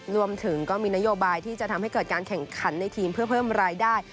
รวมถึงก็มีนโยบายที่จะทำให้เกิดการแข่งขันในทีมเพื่อเพิ่มรายได้